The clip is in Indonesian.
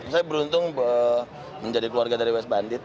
saya beruntung menjadi keluarga dari west bandit